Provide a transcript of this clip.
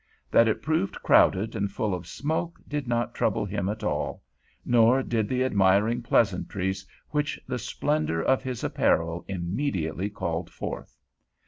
That it proved crowded and full of smoke did not trouble him at all, nor did the admiring pleasantries which the splendor of his apparel immediately called forth.